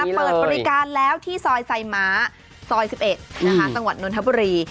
เปิดบริการแล้วที่ซอยไซม้าซอย๑๑จังหวัดนทบุรี